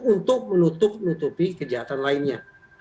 untuk menutupi kejahatan lainnya